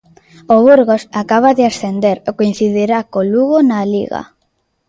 O Burgos acaba de ascender e coincidirá co Lugo na Liga.